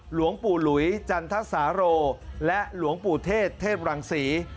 หลวงปู่หลุยจันทสาโรและหลวงปู่เทศเทพรังศรี